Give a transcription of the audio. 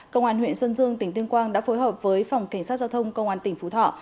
công an huyện sơn dương tỉnh tuyên quang đã phối hợp với phòng cảnh sát giao thông công an tỉnh phú thọ